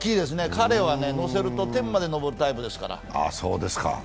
彼はのせると天まで上るタイプだから。